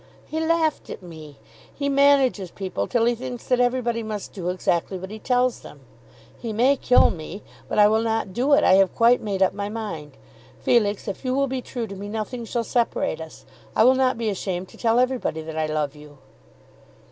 "He laughed at me. He manages people till he thinks that everybody must do exactly what he tells them. He may kill me, but I will not do it. I have quite made up my mind. Felix, if you will be true to me, nothing shall separate us. I will not be ashamed to tell everybody that I love you."